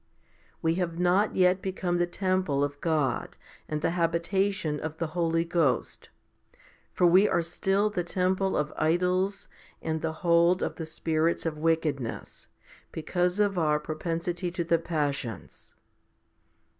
2 We have not yet become the temple of God and the habitation of the Holy Ghost, 3 for we are still the temple of idols and the hold of the spirits of wickedness because of our propensity to the passions.